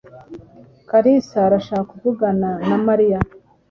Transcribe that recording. Kalisa arashaka kuvugana na Mariya.